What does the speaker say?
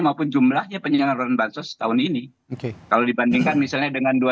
maupun jumlahnya penyelenggaraan bansos dan penyusunan yang lainnya dan penyusunan yang lainnya